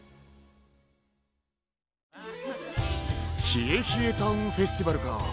ひえひえタウンフェスティバルか。